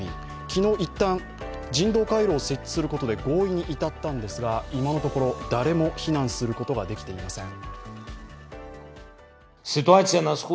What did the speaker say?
昨日一旦人道回廊を設置することで合意に至ったんですが今のところ誰も避難することが出来ていません。